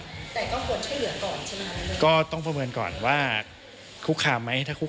แต่ก็ต้องกดช่วยเหลือก่อนใช่ไหมครับ